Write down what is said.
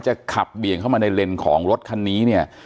จะขับเบียงเข้ามาในเลนของรถคันนี้